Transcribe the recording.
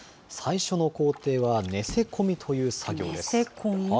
最初の工程は寝せ込みという作業です。